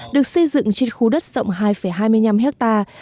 được xây dựng trên khu đất rộng hai hai mươi năm hectare